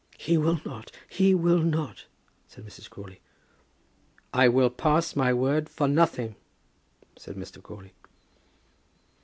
"He will not! He will not!" said Mrs. Crawley. "I will pass my word for nothing," said Mr. Crawley.